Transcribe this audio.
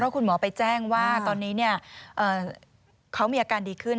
คุณหมอไปแจ้งว่าตอนนี้เขามีอาการดีขึ้น